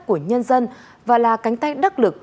của nhân dân và là cánh tay đắc lực